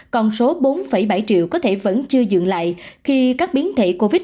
còn số bốn bảy triệu có thể vẫn chưa dừng lại khi các biến thể covid một mươi chín